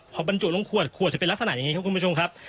พอบรรจุลงขวดขวดจะเป็นลักษณะอย่างนี้ครับคุณผู้ชมครับ